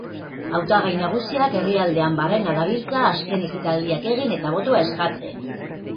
Hautagai nagusiak herrialdean barrena dabiltza azken ekitaldiak egin eta botoa eskatzen.